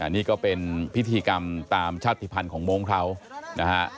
นี่ก็เป็นพิธีกรรมตามชาติภัณฑ์ของมงค์เขานะฮะ